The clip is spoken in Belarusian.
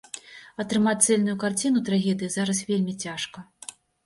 Атрымаць цэльную карціну трагедыі зараз вельмі цяжка.